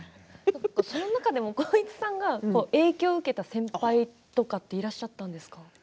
その中で浩市さんが影響を受けた先輩とかっていらっしゃるんですか。